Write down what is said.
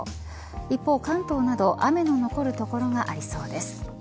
一方、関東など雨の残る所がありそうです。